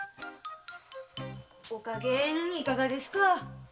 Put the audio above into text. おかげんいかがですかァ？